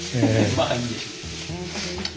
「まあいいでしょう」。